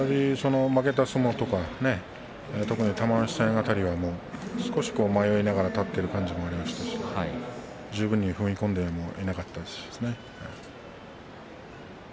負けた相撲とか特に玉鷲戦辺りは少し迷いながら立っている感じがありましたし十分に踏み込んでもいなかったですし。